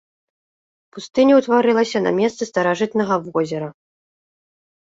Пустыня ўтварылася на месцы старажытнага возера.